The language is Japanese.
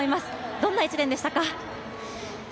どんな一年でしたか？